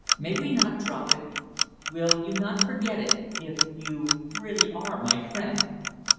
May we not drop it? Will you not forget it if you really are my friend?"